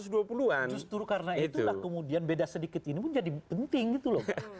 justru karena itulah kemudian beda sedikit ini pun jadi penting gitu loh